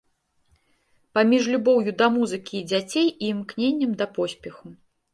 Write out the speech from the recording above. Паміж любоўю да музыкі і дзяцей і імкненнем да поспеху.